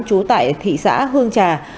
trú tại thị xã hương trà